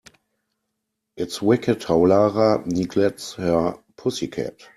It's wicked how Lara neglects her pussy cat.